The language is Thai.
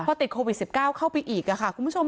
พอติดโควิด๑๙เข้าไปอีกค่ะคุณผู้ชม